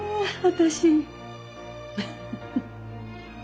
私。